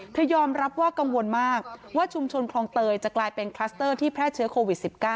ยอมรับว่ากังวลมากว่าชุมชนคลองเตยจะกลายเป็นคลัสเตอร์ที่แพร่เชื้อโควิด๑๙